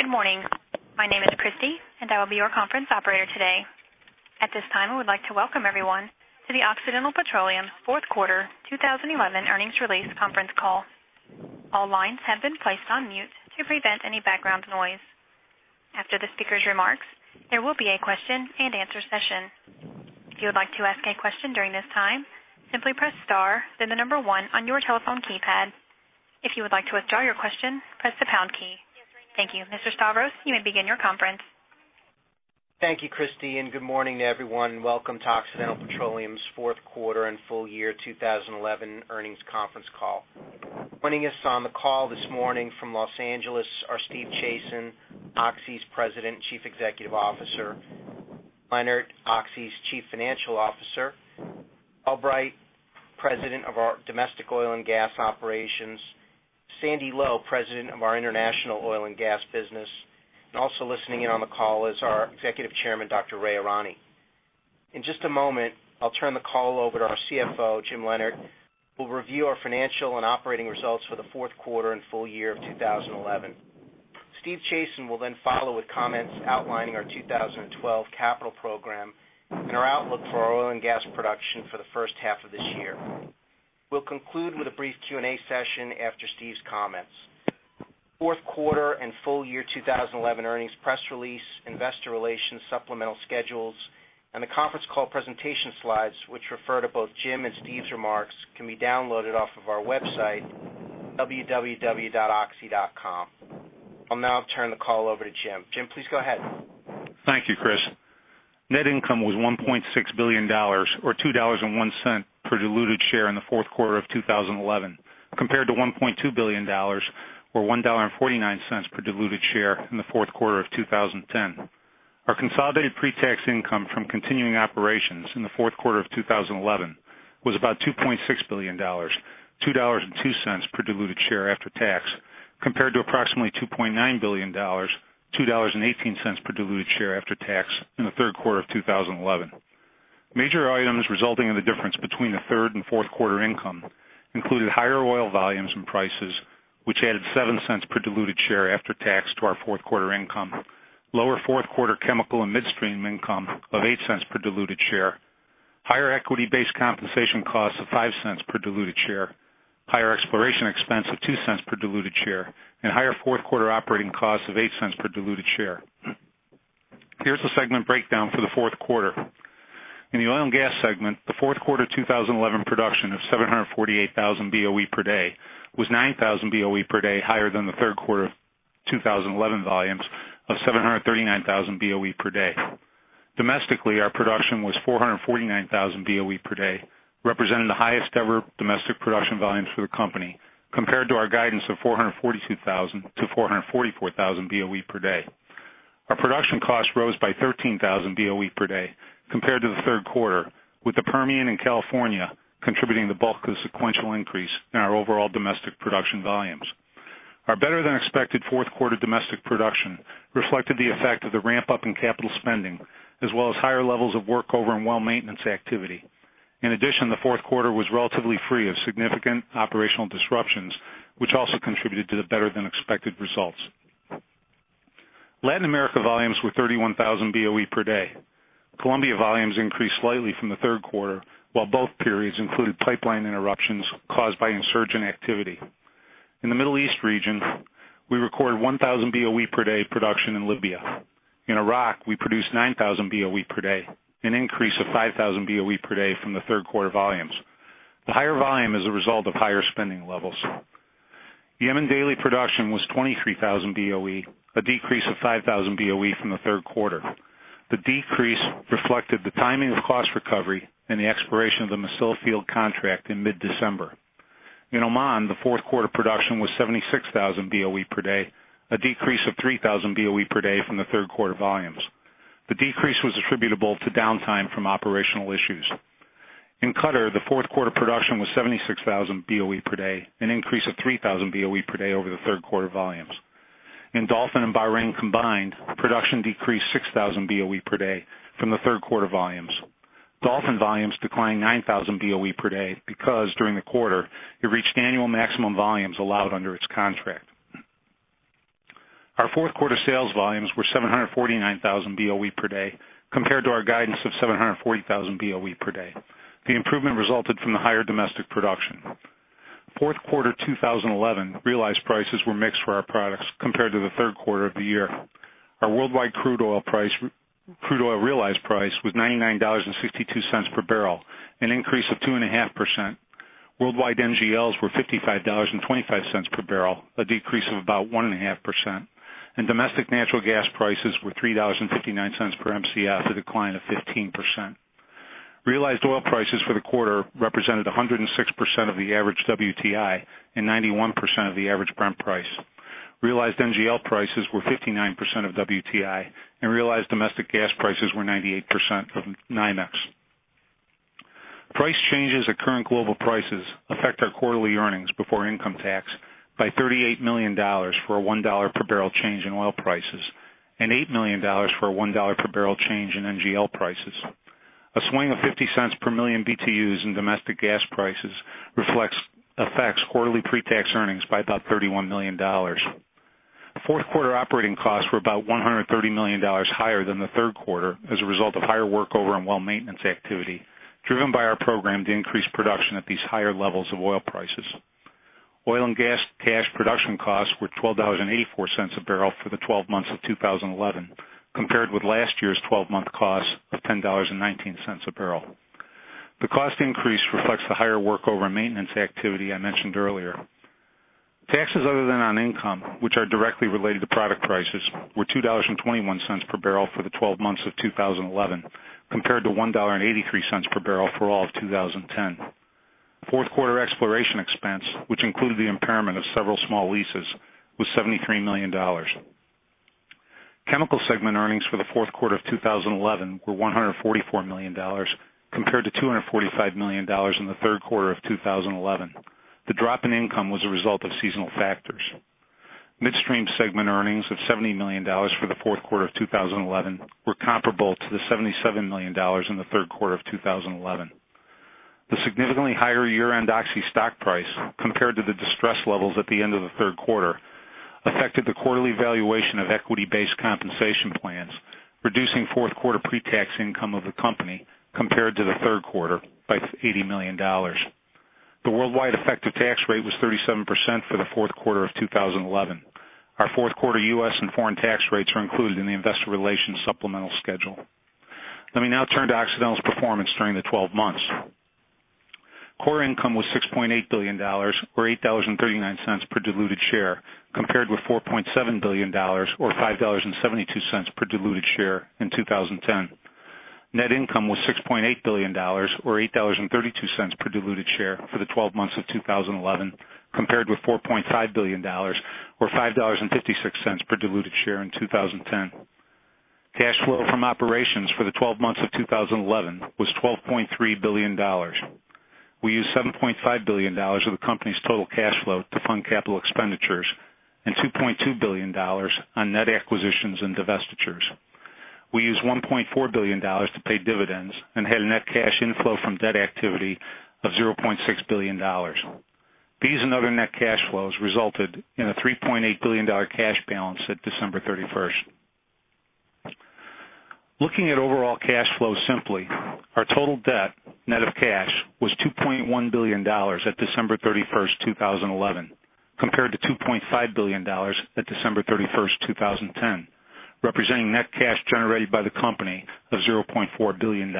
Good morning. My name is Christy, and I will be your conference operator today. At this time, I would like to welcome everyone to the Occidental Petroleum Fourth Quarter 2011 Earnings Release Conference Call. All lines have been placed on mute to prevent any background noise. After the speaker's remarks, there will be a question-and-answer session. If you would like to ask a question during this time, simply press star, then the number one on your telephone keypad. If you would like to withdraw your question, press the pound key. Thank you. Mr. Stavros, you may begin your conference. Thank you, Christy, and good morning to everyone. Welcome to Occidental Petroleum Corporation's Fourth Quarter and Full Year 2011 Earnings Conference Call. Joining us on the call this morning from Los Angeles are Steve Chazen, Oxy's President and Chief Executive Officer; Lienert, Oxy's Chief Financial Officer; Albrecht, President of our Domestic Oil and Gas Operations; Sandy Lowe, President of our International Oil and Gas Business; and also listening in on the call is our Executive Chairman, Dr. Ray Irani. In just a moment, I'll turn the call over to our CFO, Jim Lienert, who will review our financial and operating results for the fourth quarter and full year of 2011. Steve Chazen will then follow with comments outlining our 2012 capital program and our outlook for our oil and gas production for the first half of this year. We'll conclude with a brief Q&A session after Steve's comments. Fourth quarter and full year 2011 earnings press release, investor relations supplemental schedules, and the conference call presentation slides, which refer to both Jim and Steve's remarks, can be downloaded off of our website, www.oxy.com. I'll now turn the call over to Jim. Jim, please go ahead. Thank you, Chris. Net income was $1.6 billion, or $2.01 per diluted share in the fourth quarter of 2011, compared to $1.2 billion, or $1.49 per diluted share in the fourth quarter of 2010. Our consolidated pre-tax income from continuing operations in the fourth quarter of 2011 was about $2.6 billion, $2.02 per diluted share after tax, compared to approximately $2.9 billion, $2.18 per diluted share after tax in the third quarter of 2011. Major items resulting in the difference between the third and fourth quarter income included higher oil volumes and prices, which added $0.07 per diluted share after tax to our fourth quarter income, lower fourth quarter chemical and midstream income of $0.08 per diluted share, higher equity-based compensation costs of $0.05 per diluted share, higher exploration expense of $0.02 per diluted share, and higher fourth quarter operating costs of $0.08 per diluted share. Here is the segment breakdown for the fourth quarter. In the oil and gas segment, the fourth quarter 2011 production of 748,000 BOE per day was 9,000 BOE per day higher than the third quarter 2011 volumes of 739,000 BOE per day. Domestically, our production was 449,000 BOE per day, representing the highest ever domestic production volumes for the company, compared to our guidance of 442,000 BOE-444,000 BOE per day. Our production costs rose by 13,000 BOE per day, compared to the third quarter, with the Permian and California contributing the bulk of the sequential increase in our overall domestic production volumes. Our better-than-expected fourth quarter domestic production reflected the effect of the ramp-up in capital spending, as well as higher levels of workover and well-maintenance activity. In addition, the fourth quarter was relatively free of significant operational disruptions, which also contributed to the better-than-expected results. Latin America volumes were 31,000 BOE per day. Colombia volumes increased slightly from the third quarter, while both periods included pipeline interruptions caused by insurgent activity. In the Middle East region, we recorded 1,000 BOE per day of production in Libya. In Iraq, we produced 9,000 BOE per day, an increase of 5,000 BOE per day from the third quarter volumes. The higher volume is a result of higher spending levels. Yemen daily production was 23,000 BOE, a decrease of 5,000 BOE from the third quarter. The decrease reflected the timing of cost recovery and the expiration of the Mossil Field contract in mid-December. In Oman, the fourth quarter production was 76,000 BOE per day, a decrease of 3,000 BOE per day from the third quarter volumes. The decrease was attributable to downtime from operational issues. In Qatar, the fourth quarter production was 76,000 BOE per day, an increase of 3,000 BOE per day over the third quarter volumes. In Dolphin and Bahrain combined, production decreased 6,000 BOE per day from the third quarter volumes. Dolphin volumes declined 9,000 BOE per day because, during the quarter, it reached annual maximum volumes allowed under its contract. Our fourth quarter sales volumes were 749,000 BOE per day, compared to our guidance of 740,000 BOE per day. The improvement resulted from the higher domestic production. Fourth quarter 2011 realized prices were mixed for our products compared to the third quarter of the year. Our worldwide crude oil realized price was $99.62 per barrel, an increase of 2.5%. Worldwide NGLs were $55.25 per barrel, a decrease of about 1.5%. Domestic natural gas prices were $3.59 per MCF, a decline of 15%. Realized oil prices for the quarter represented 106% of the average WTI and 91% of the average Brent price. Realized NGL prices were 59% of WTI, and realized domestic gas prices were 98% of NYMEX. Price changes at current global prices affect our quarterly earnings before income tax by $38 million for a $1 per barrel change in oil prices and $8 million for a $1 per barrel change in NGL prices. A swing of $0.50 per million BTUs in domestic gas prices affects quarterly pre-tax earnings by about $31 million. Fourth quarter operating costs were about $130 million higher than the third quarter as a result of higher workover and well-maintenance activity, driven by our program to increase production at these higher levels of oil prices. Oil and gas cash production costs were $12.84 a barrel for the 12 months of 2011, compared with last year's 12-month costs of $10.19 a barrel. The cost increase reflects the higher workover and maintenance activity I mentioned earlier. Taxes other than on income, which are directly related to product prices, were $2.21 per barrel for the 12 months of 2011, compared to $1.83 per barrel for all of 2010. Fourth quarter exploration expense, which included the impairment of several small leases, was $73 million. Chemical segment earnings for the fourth quarter of 2011 were $144 million, compared to $245 million in the third quarter of 2011. The drop in income was a result of seasonal factors. Midstream segment earnings of $70 million for the fourth quarter of 2011 were comparable to the $77 million in the third quarter of 2011. The significantly higher year-end Oxy stock price, compared to the distress levels at the end of the third quarter, affected the quarterly valuation of equity-based compensation plans, reducing fourth quarter pre-tax income of the company compared to the third quarter by $80 million. The worldwide effective tax rate was 37% for the fourth quarter of 2011. Our fourth quarter U.S. and foreign tax rates are included in the Investor Relations Supplemental Schedule. Let me now turn to Occidental's performance during the 12 months. Core income was $6.8 billion, or $8.39 per diluted share, compared with $4.7 billion, or $5.72 per diluted share in 2010. Net income was $6.8 billion, or $8.32 per diluted share for the 12 months of 2011, compared with $4.5 billion, or $5.56 per diluted share in 2010. Cash flow from operations for the 12 months of 2011 was $12.3 billion. We used $7.5 billion of the company's total cash flow to fund capital expenditures and $2.2 billion on net acquisitions and divestitures. We used $1.4 billion to pay dividends and had a net cash inflow from debt activity of $0.6 billion. These and other net cash flows resulted in a $3.8 billion cash balance at December 31st. Looking at overall cash flow simply, our total debt, net of cash, was $2.1 billion at December 31st, 2011, compared to $2.5 billion at December 31st, 2010, representing net cash generated by the company of $0.4 billion.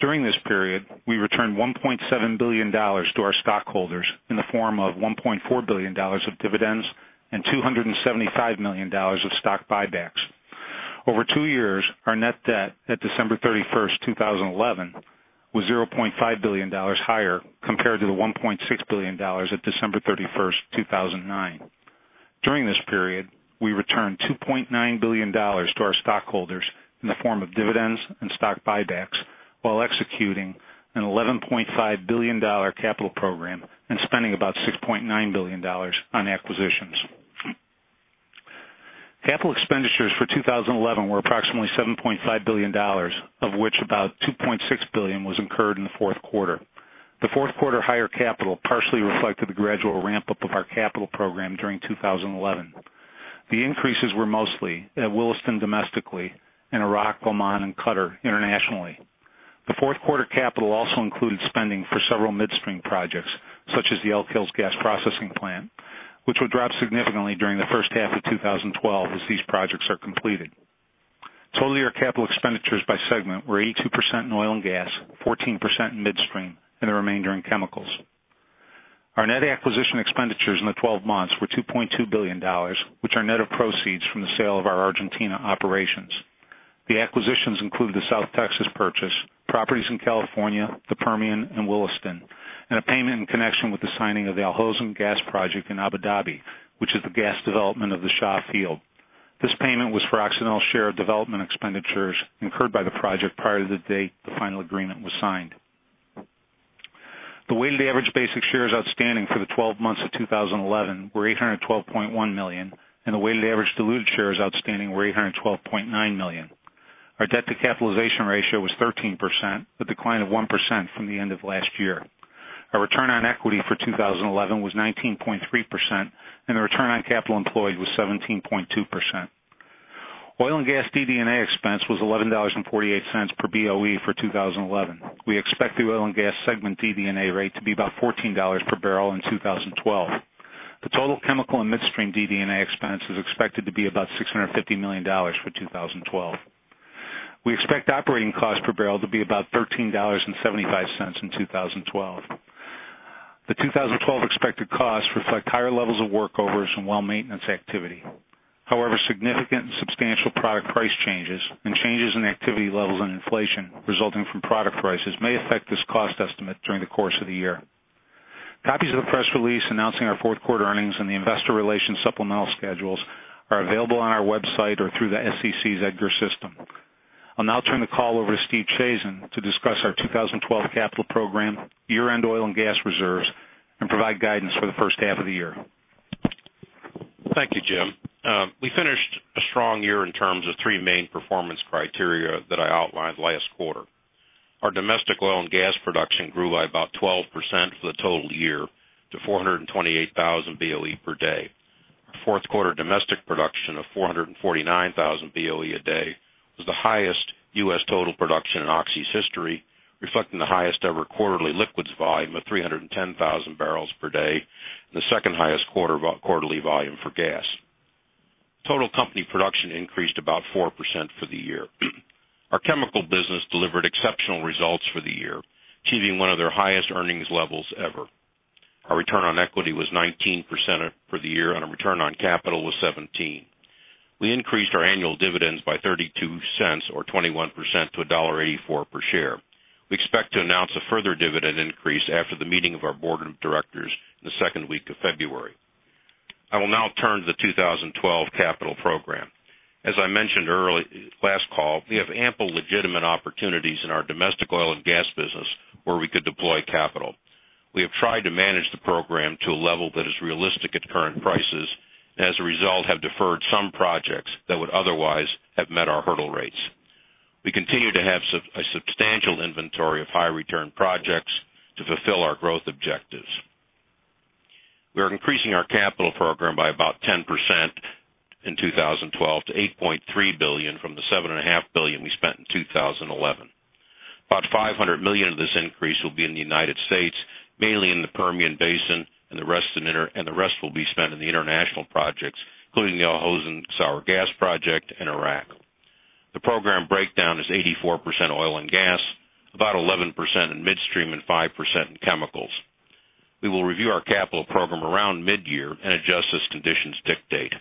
During this period, we returned $1.7 billion to our stockholders in the form of $1.4 billion of dividends and $275 million of stock buybacks. Over two years, our net debt at December 31st, 2011, was $0.5 billion higher compared to the $1.6 billion at December 31st, 2009. During this period, we returned $2.9 billion to our stockholders in the form of dividends and stock buybacks, while executing an $11.5 billion capital program and spending about $6.9 billion on acquisitions. Capital expenditures for 2011 were approximately $7.5 billion, of which about $2.6 billion was incurred in the fourth quarter. The fourth quarter higher capital partially reflected the gradual ramp-up of our capital program during 2011. The increases were mostly at Williston domestically and Iraq, Oman, and Qatar internationally. The fourth quarter capital also included spending for several midstream projects, such as the Elk Hills gas processing plant, which would drop significantly during the first half of 2012 as these projects are completed. Total year capital expenditures by segment were 82% in oil and gas, 14% in midstream, and the remainder in chemicals. Our net acquisition expenditures in the 12 months were $2.2 billion, which are net of proceeds from the sale of our Argentina operations. The acquisitions include the South Texas purchase, properties in California, the Permian, and Williston, and a payment in connection with the signing of the Al Hosn Gas Project in Abu Dhabi, which is the gas development of the Shah field. This payment was for Occidental share of development expenditures incurred by the project prior to the date the final agreement was signed. The weighted average basic shares outstanding for the 12 months of 2011 were 812.1 million, and the weighted average diluted shares outstanding were 812.9 million. Our debt-to-capitalization ratio was 13%, a decline of 1% from the end of last year. Our return on equity for 2011 was 19.3%, and the return on capital employed was 17.2%. Oil and gas DD&A expense was $11.48 per BOE for 2011. We expect the oil and gas segment DD&A rate to be about $14 per barrel in 2012. The total chemical and midstream DD&A expense is expected to be about $650 million for 2012. We expect operating costs per barrel to be about $13.75 in 2012. The 2012 expected costs reflect higher levels of workovers and well-maintenance activity. However, significant and substantial product price changes and changes in activity levels and inflation resulting from product prices may affect this cost estimate during the course of the year. Copies of the press release announcing our fourth quarter earnings and the Investor Relations Supplemental Schedules are available on our website or through the SEC's EDGAR system. I'll now turn the call over to Steve Chazen to discuss our 2012 capital program, year-end oil and gas reserves, and provide guidance for the first half of the year. Thank you, Jim. We finished a strong year in terms of three main performance criteria that I outlined last quarter. Our domestic oil and gas production grew by about 12% for the total year to 428,000 BOE per day. The fourth quarter domestic production of 449,000 BOE a day was the highest U.S. total production in Oxy's history, reflecting the highest ever quarterly liquids volume of 310,000 barrels per day and the second highest quarterly volume for gas. Total company production increased about 4% for the year. Our chemical business delivered exceptional results for the year, achieving one of their highest earnings levels ever. Our return on equity was 19% for the year, and our return on capital was 17%. We increased our annual dividends by $0.32, or 21%, to $1.84 per share. We expect to announce a further dividend increase after the meeting of our board of directors in the second week of February. I will now turn to the 2012 capital program. As I mentioned last call, we have ample legitimate opportunities in our domestic oil and gas business where we could deploy capital. We have tried to manage the program to a level that is realistic at current prices and, as a result, have deferred some projects that would otherwise have met our hurdle rates. We continue to have a substantial inventory of high-return projects to fulfill our growth objectives. We are increasing our capital program by about 10% in 2012 to $8.3 billion from the $7.5 billion we spent in 2011. About $500 million of this increase will be in the United States, mainly in the Permian Basin, and the rest will be spent in the international projects, including the Al Hosn Gas Project and Iraq. The program breakdown is 84% oil and gas, about 11% in midstream, and 5% in chemicals. We will review our capital program around midyear and adjust as conditions dictate.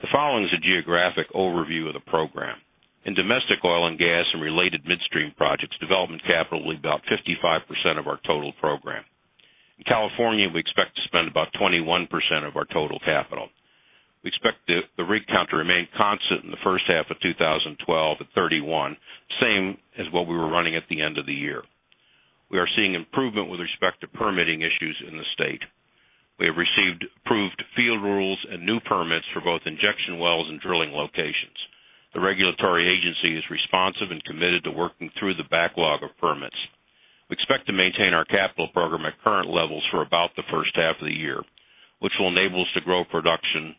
The following is a geographic overview of the program. In domestic oil and gas and related midstream projects, development capital will be about 55% of our total program. In California, we expect to spend about 21% of our total capital. We expect the rig count to remain constant in the first half of 2012 at 31, same as what we were running at the end of the year. We are seeing improvement with respect to permitting issues in the state. We have received approved field rules and new permits for both injection wells and drilling locations. The regulatory agency is responsive and committed to working through the backlog of permits. We expect to maintain our capital program at current levels for about the first half of the year, which will enable us to grow production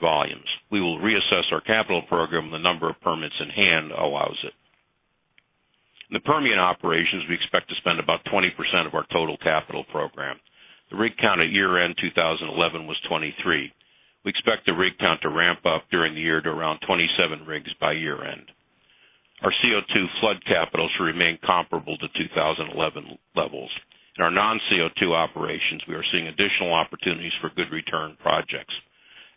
volumes. We will reassess our capital program when the number of permits in hand allows it. In the Permian Basin operations, we expect to spend about 20% of our total capital program. The rig count at year-end 2011 was 23. We expect the rig count to ramp up during the year to around 27 rigs by year-end. Our CO2 flood capital should remain comparable to 2011 levels. In our non-CO2 operations, we are seeing additional opportunities for good return projects.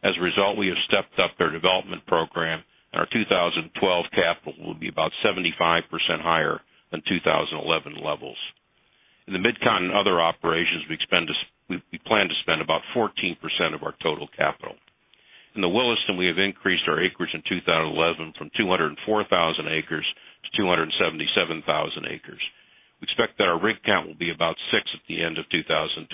As a result, we have stepped up our development program, and our 2012 capital will be about 75% higher than 2011 levels. In the Midcontinent and other operations, we plan to spend about 14% of our total capital. In the Williston, we have increased our acres in 2011 from 204,000 acres to 277,000 acres. We expect that our rig count will be about 6 at the end of 2012.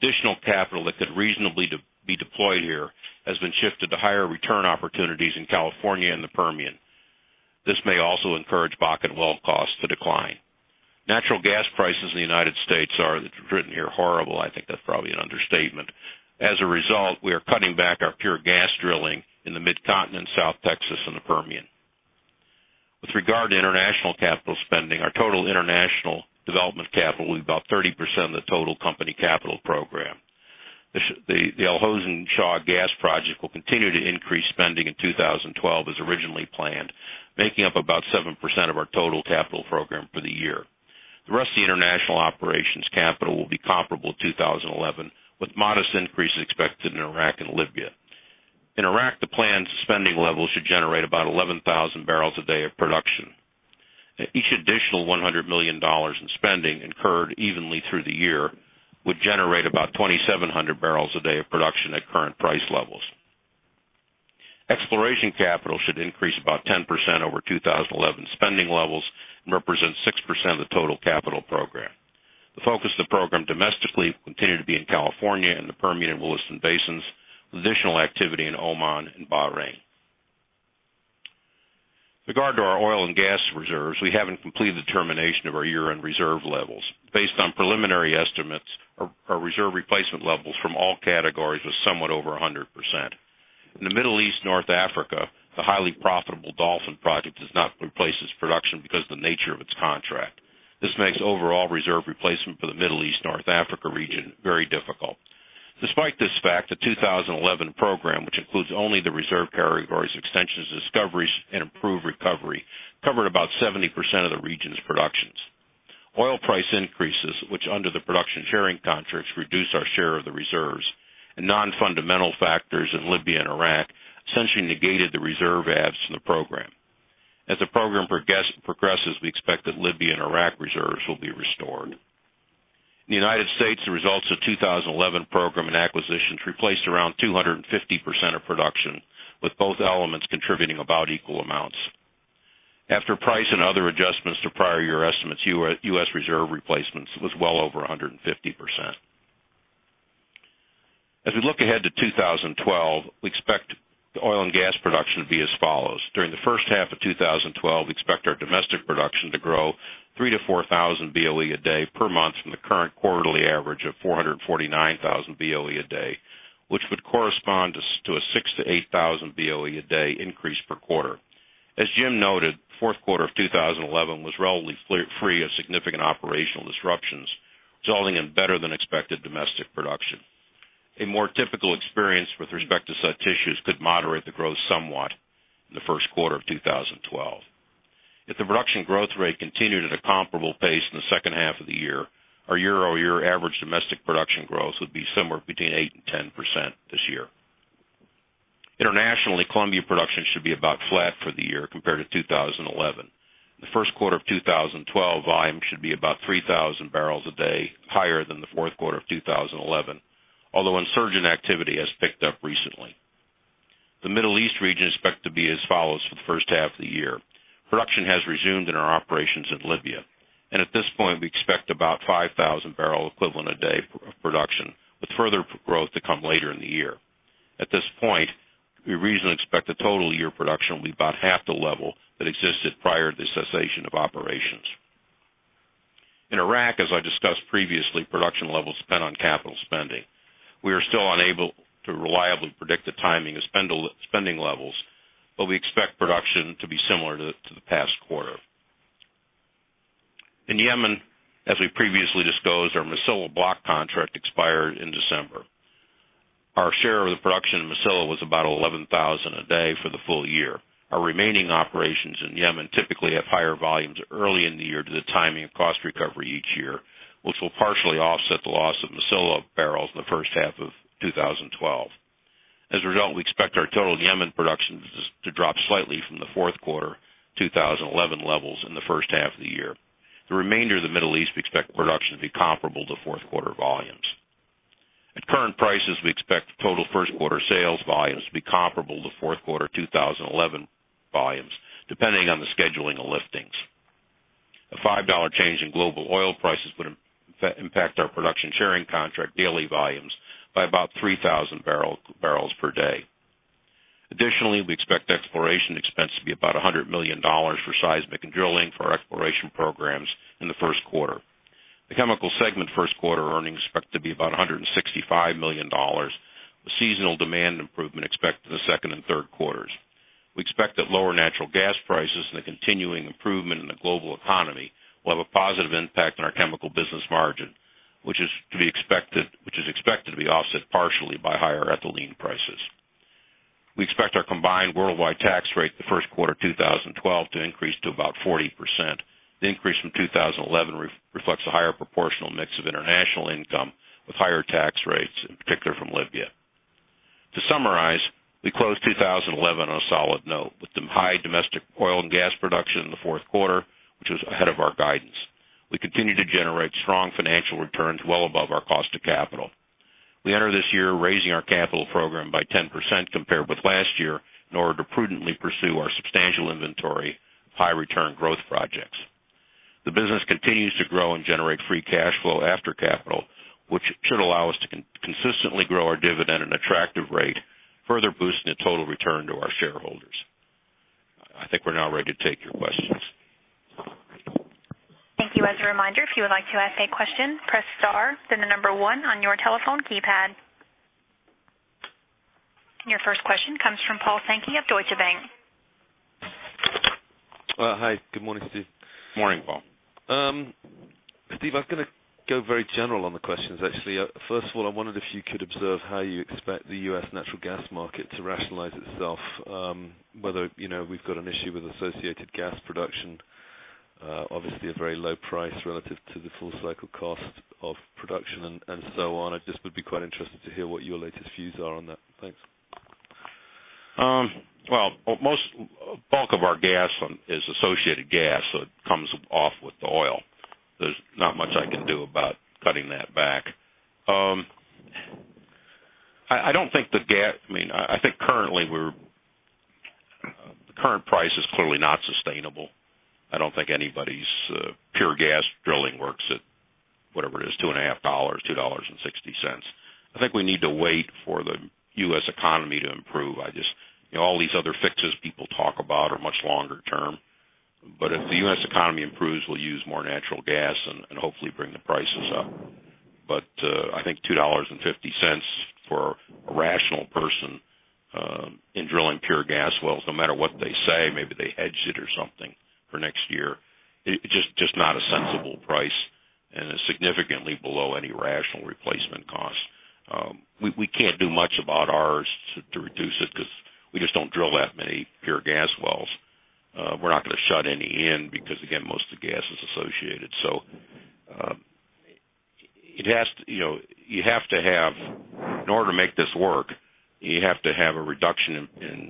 Additional capital that could reasonably be deployed here has been shifted to higher return opportunities in California and the Permian. This may also encourage bucket well costs to decline. Natural gas prices in the United States are, as it's written here, horrible. I think that's probably an understatement. As a result, we are cutting back our pure gas drilling in the Midcontinent, South Texas, and the Permian. With regard to international capital spending, our total international development capital will be about 30% of the total company capital program. The Al Hosn Gas Project will continue to increase spending in 2012 as originally planned, making up about 7% of our total capital program for the year. The rest of the international operations capital will be comparable to 2011, with modest increases expected in Iraq and Libya. In Iraq, the planned spending level should generate about 11,000 barrels a day of production. Each additional $100 million in spending incurred evenly through the year would generate about 2,700 barrels a day of production at current price levels. Exploration capital should increase about 10% over 2011 spending levels and represent 6% of the total capital program. The focus of the program domestically will continue to be in California and the Permian Basin and Williston basins, with additional activity in Oman and Bahrain. With regard to our oil and gas reserves, we haven't completed the determination of our year-end reserve levels. Based on preliminary estimates, our reserve replacement levels from all categories were somewhat over 100%. In the Middle East and North Africa, the highly profitable Dolphin Project does not replace its production because of the nature of its contract. This makes overall reserve replacement for the Middle East and North Africa region very difficult. Despite this fact, the 2011 program, which includes only the reserve categories Extensions and Discoveries and Improved Recovery, covered about 70% of the region's productions. Oil price increases, which under the production sharing contracts reduce our share of the reserves, and non-fundamental factors in Libya and Iraq essentially negated the reserve adds to the program. As the program progresses, we expect that Libya and Iraq reserves will be restored. In the United States, the results of the 2011 program and acquisitions replaced around 250% of production, with both elements contributing about equal amounts. After price and other adjustments to prior year estimates, U.S. reserve replacements was well over 150%. As we look ahead to 2012, we expect the oil and gas production to be as follows. During the first half of 2012, we expect our domestic production to grow 3,000 BOE-4,000 BOE a day per month from the current quarterly average of 449,000 BOE a day, which would correspond to a 6,000 BOE-8,000 BOE a day increase per quarter. As Jim noted, the fourth quarter of 2011 was relatively free of significant operational disruptions, resulting in better-than-expected domestic production. A more typical experience with respect to such issues could moderate the growth somewhat in the first quarter of 2012. If the production growth rate continued at a comparable pace in the second half of the year, our year-over-year average domestic production growth would be somewhere between 8% and 10% this year. Internationally, Colombia production should be about flat for the year compared to 2011. In the first quarter of 2012, volume should be about 3,000 barrels a day, higher than the fourth quarter of 2011, although insurgent activity has picked up recently. The Middle East region is expected to be as follows for the first half of the year. Production has resumed in our operations in Libya, and at this point, we expect about 5,000 barrel equivalent a day of production, with further growth to come later in the year. At this point, we reasonably expect the total year production will be about half the level that existed prior to the cessation of operations. In Iraq, as I discussed previously, production levels depend on capital spending. We are still unable to reliably predict the timing of spending levels, but we expect production to be similar to the past quarter. In Yemen, as we previously disclosed, our Mossil block contract expired in December. Our share of the production in Mossil was about 11,000 a day for the full year. Our remaining operations in Yemen typically have higher volumes early in the year due to the timing of cost recovery each year, which will partially offset the loss of Mossil barrels in the first half of 2012. As a result, we expect our total Yemen production to drop slightly from the fourth quarter 2011 levels in the first half of the year. The remainder of the Middle East, we expect production to be comparable to fourth quarter volumes. At current prices, we expect total first quarter sales volumes to be comparable to fourth quarter 2011 volumes, depending on the scheduling and liftings. A $5 change in global oil prices would impact our production sharing contract daily volumes by about 3,000 barrels per day. Additionally, we expect exploration expense to be about $100 million for seismic and drilling for our exploration programs in the first quarter. The chemical segment first quarter earnings expect to be about $165 million, with seasonal demand improvement expected in the second and third quarters. We expect that lower natural gas prices and the continuing improvement in the global economy will have a positive impact on our chemical business margin, which is expected to be offset partially by higher ethylene prices. We expect our combined worldwide tax rate in the first quarter 2012 to increase to about 40%. The increase from 2011 reflects a higher proportional mix of international income with higher tax rates, in particular from Libya. To summarize, we close 2011 on a solid note with the high domestic oil and gas production in the fourth quarter, which was ahead of our guidance. We continue to generate strong financial returns well above our cost of capital. We enter this year raising our capital program by 10% compared with last year in order to prudently pursue our substantial inventory of high-return growth projects. The business continues to grow and generate free cash flow after capital, which should allow us to consistently grow our dividend at an attractive rate, further boosting the total return to our shareholders. I think we're now ready to take your questions. Thank you. As a reminder, if you would like to ask a question, press star then the number one on your telephone keypad. Your first question comes from Paul Sankey of Deutsche Bank. Good morning, Steve. Morning, Paul. Steve, I was going to go very general on the questions, actually. First of all, I wondered if you could observe how you expect the U.S. natural gas market to rationalize itself, whether we've got an issue with associated gas production, obviously a very low price relative to the full cycle cost of production and so on. I just would be quite interested to hear what your latest views are on that. Thanks. Most bulk of our gas is associated gas, so it comes off with the oil. There's not much I can do about cutting that back. I don't think the gas, I mean, I think currently the current price is clearly not sustainable. I don't think anybody's pure gas drilling works at whatever it is, $2.50, $2.60. I think we need to wait for the U.S. economy to improve. All these other fixes people talk about are much longer term. If the U.S. economy improves, we'll use more natural gas and hopefully bring the prices up. I think $2.50 for a rational person in drilling pure gas wells, no matter what they say, maybe they hedge it or something for next year, it's just not a sensible price and is significantly below any rational replacement cost. We can't do much about ours to reduce it because we just don't drill that many pure gas wells. We're not going to shut any in because, again, most of the gas is associated. It has to, you know, you have to have in order to make this work, you have to have a reduction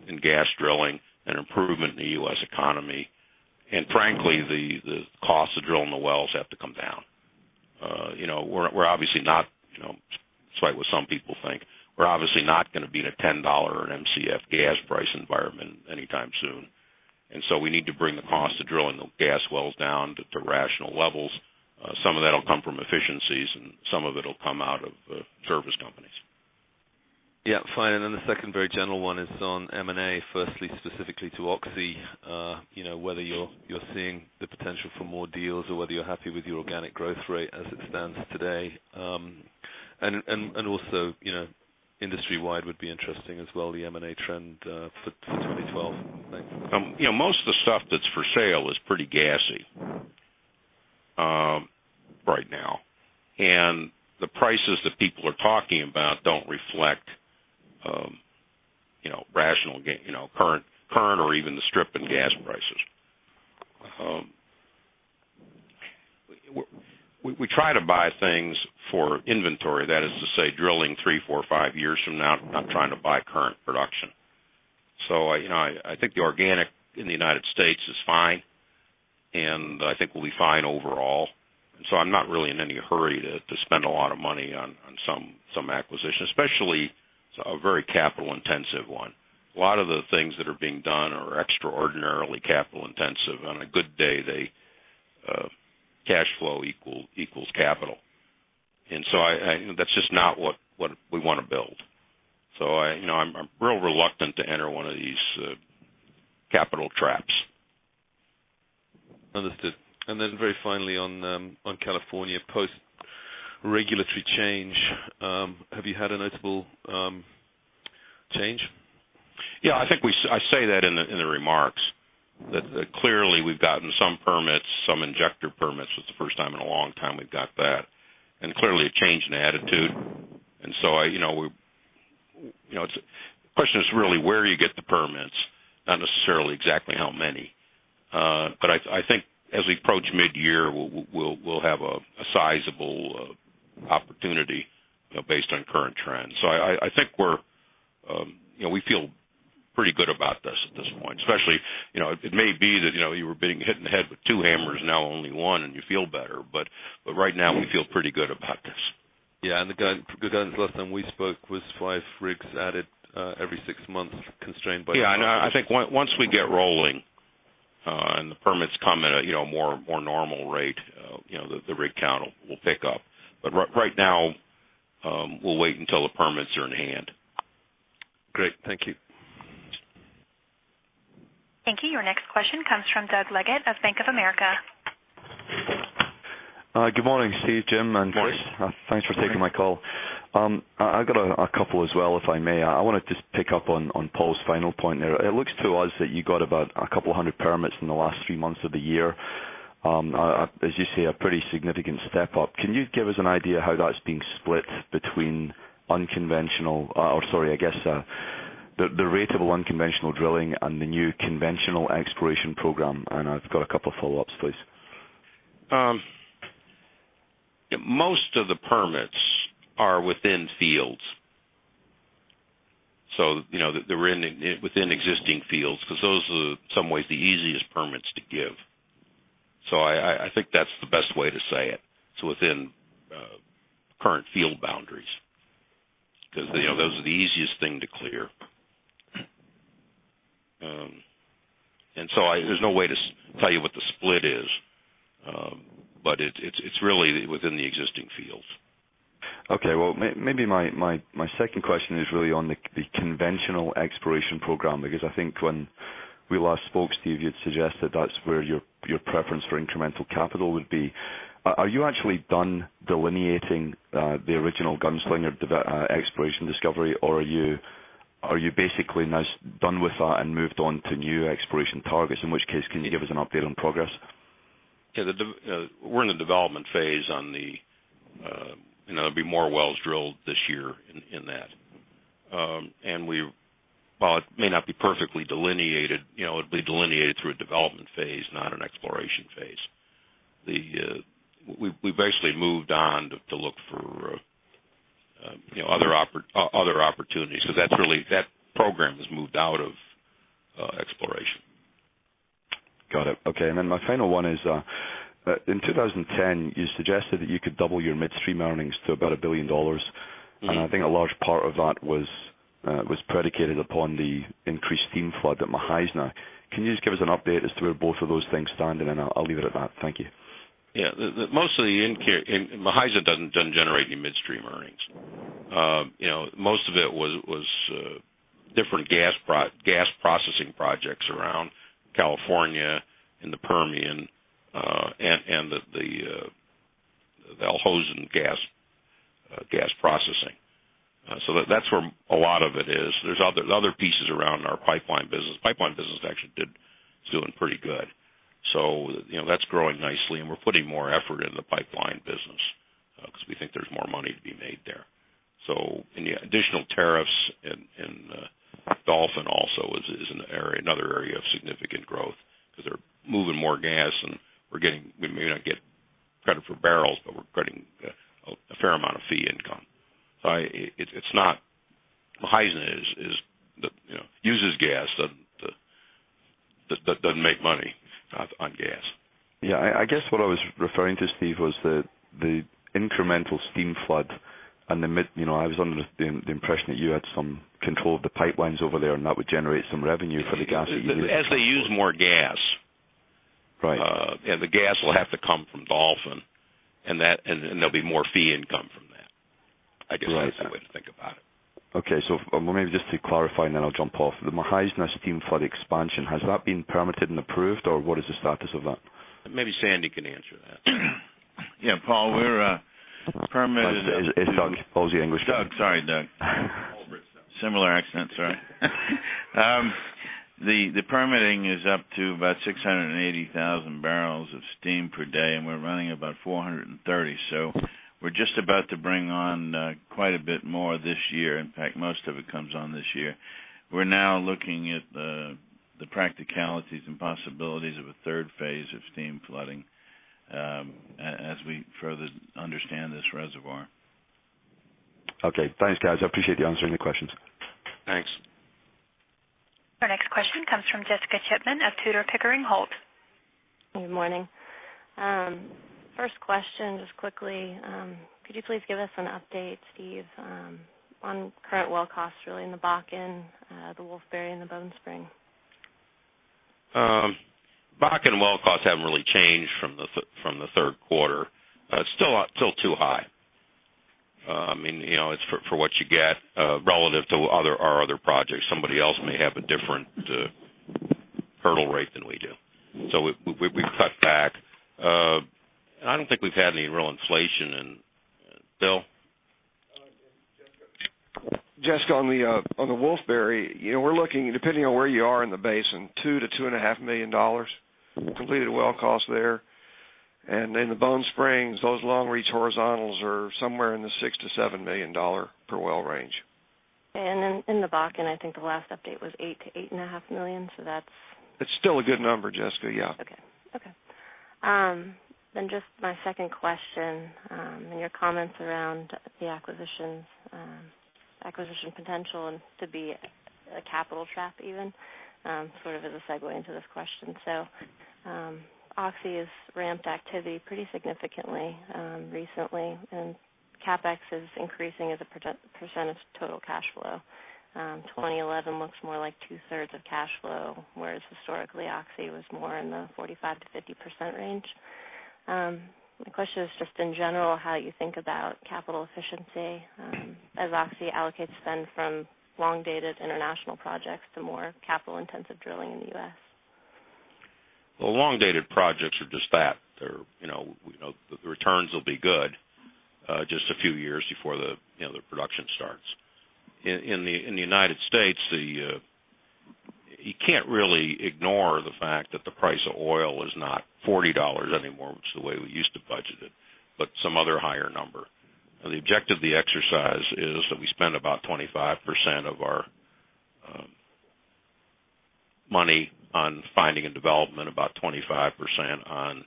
in gas drilling and improvement in the U.S. economy. Frankly, the cost of drilling the wells have to come down. We're obviously not, you know, despite what some people think, we're obviously not going to be in a $10 or an MCF gas price environment anytime soon. We need to bring the cost of drilling the gas wells down to rational levels. Some of that will come from efficiencies, and some of it will come out of service companies. Fine. The second very general one is on M&A, firstly specifically to Oxy, whether you're seeing the potential for more deals or whether you're happy with your organic growth rate as it stands today. Also, industry-wide would be interesting as well, the M&A trend for 2012. Thanks. You know, most of the stuff that's for sale is pretty gassy right now, and the prices that people are talking about don't reflect, you know, rational, you know, current or even the stripping gas prices. We try to buy things for inventory, that is to say drilling three, four, five years from now, not trying to buy current production. I think the organic in the United States is fine, and I think we'll be fine overall. I'm not really in any hurry to spend a lot of money on some acquisition, especially a very capital-intensive one. A lot of the things that are being done are extraordinarily capital-intensive. On a good day, cash flow equals capital, and that's just not what we want to build. I'm real reluctant to enter one of these capital traps. Understood. Very finally, on California post-regulatory change, have you had a noticeable change? I think I said that in the remarks that clearly we've gotten some permits, some injector permits. It's the first time in a long time we've got that. Clearly a change in attitude. The question is really where you get the permits, not necessarily exactly how many. I think as we approach midyear, we'll have a sizable opportunity based on current trends. I think we feel pretty good about this at this point, especially, you know, it may be that you were being hit in the head with two hammers, now only one, and you feel better. Right now, we feel pretty good about this. Yeah, the last time we spoke was five rigs added every six months, constrained by. Yeah, I think once we get rolling and the permits come at a more normal rate, the rig count will pick up. Right now, we'll wait until the permits are in hand. Great. Thank you. Thank you. Your next question comes from Doug Leggate of Bank of America. Good morning, Steve, Jim. Morning. Thank you for taking my call. I've got a couple as well, if I may. I want to pick up on Paul's final point there. It looks to us that you got about a couple hundred permits in the last three months of the year. As you say, a pretty significant step up. Can you give us an idea of how that's being split between unconventional, or the rate of unconventional drilling and the new conventional exploration program? I've got a couple of follow-ups, please. Most of the permits are within fields. They're within existing fields because those are in some ways the easiest permits to give. I think that's the best way to say it. It's within current field boundaries because those are the easiest thing to clear. There's no way to tell you what the split is, but it's really within the existing fields. Okay. Maybe my second question is really on the conventional exploration program because I think when we last spoke, Steve, you'd suggested that's where your preference for incremental capital would be. Are you actually done delineating the original gunslinger exploration discovery, or are you basically now done with that and moved on to new exploration targets, in which case can you give us an update on progress? Yeah, we're in the development phase on the, you know, there'll be more wells drilled this year in that. While it may not be perfectly delineated, it'll be delineated through a development phase, not an exploration phase. We've actually moved on to look for other opportunities because that's really that program has moved out of exploration. Got it. Okay. My final one is, in 2010, you suggested that you could double your midstream earnings to about $1 billion. I think a large part of that was predicated upon the increased steam flood at Mukhaizna. Can you just give us an update as to where both of those things stand? I'll leave it at that. Thank you. Yeah, mostly Mukhaizna doesn't generate any midstream earnings. Most of it was different gas processing projects around California, in the Permian, and the Al Hosn gas processing. That's where a lot of it is. There are other pieces around our pipeline business. The pipeline business actually is doing pretty good. That's growing nicely, and we're putting more effort into the pipeline business because we think there's more money to be made there. The additional tariffs in Dolphin also are another area of significant growth because they're moving more gas, and we may not get credit for barrels, but we're getting a fair amount of fee income. It's not, Mukhaizna uses gas, doesn't make money on gas. Yeah, I guess what I was referring to, Steve, was that the incremental steam flood and the, you know, I was under the impression that you had some control of the pipelines over there, and that would generate some revenue for the gas that you use. As they use more gas, right, the gas will have to come from Dolphin, and there'll be more fee income from that. I guess that's the way to think about it. Okay, just to clarify, and then I'll jump off, the Mukhaizna steam flood expansion, has that been permitted and approved, or what is the status of that? Maybe Sandy can answer that. Yeah, Paul, we're permitted. Is Doug, what was the English name? Doug, sorry, Doug. Similar accent, sorry. The permitting is up to about 680,000 barrels of steam per day, and we're running about 430,000. We're just about to bring on quite a bit more this year. In fact, most of it comes on this year. We're now looking at the practicalities and possibilities of a third phase of steam flooding as we further understand this reservoir. Okay, thanks, guys. I appreciate you answering the questions. Thanks. Our next question comes from Jessica Chipman of Tudor, Pickering, Holt. Good morning. First question, just quickly, could you please give us an update, Steve, on current well costs really in the Bakken, the Wolfberry, and the Bone Spring? Bakken well costs haven't really changed from the third quarter. It's still too high. I mean, you know, it's for what you get relative to our other projects. Somebody else may have a different hurdle rate than we do. We've cut back. I don't think we've had any real inflation in, Bill. Jessica, on the Wolfberry, we're looking, depending on where you are in the basin, at $2 million-$2.5 million completed well costs there. In the Bone Springs, those long reach horizontals are somewhere in the $6 million-$7 million per well range. In the Bakken, I think the last update was $8 million-$8.5 million, so that's. It's still a good number, Jessica, yeah. Okay. Then just my second question, in your comments around the acquisition potential and to be a capital trap even, sort of as a segue into this question. Oxy has ramped activity pretty significantly, recently, and CapEx is increasing as a percentage of total cash flow. 2011 looks more like 2/3 of cash flow, whereas historically, Oxy was more in the 45%-50% range. My question is just in general, how do you think about capital efficiency, as Oxy allocates then from long-dated international projects to more capital-intensive drilling in the U.S.? Long-dated projects are just that. You know, the returns will be good, just a few years before the production starts. In the United States, you can't really ignore the fact that the price of oil is not $40 anymore, which is the way we used to budget it, but some other higher number. The objective of the exercise is that we spend about 25% of our money on finding and development, about 25% on